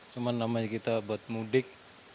cuma namanya kita buat mudik